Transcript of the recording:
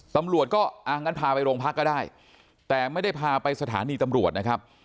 ตำรวจก็อ่างั้นพาไปโรงพักก็ได้แต่ไม่ได้พาไปสถานีตำรวจนะครับ